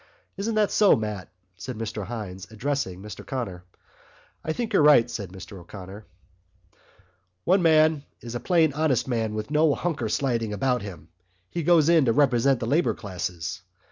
Isn't that so, Mat?" said Mr Hynes, addressing Mr O'Connor. "I think you're right," said Mr O'Connor. "One man is a plain honest man with no hunker sliding about him. He goes in to represent the labour classes.